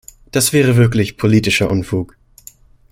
Das wäre wirklich politischer Unfug.